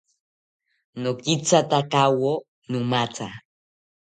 Nokithatakawo nomatha